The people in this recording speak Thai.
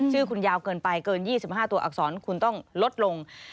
ชื่อคุณยาวเกินไปเกิน๒๕ตัวอักษรคุณต้องลดลง